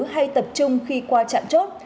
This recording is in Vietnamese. hay tập trung khi qua trạm chốt